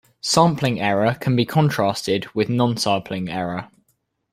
Sampling error can be contrasted with non-sampling error.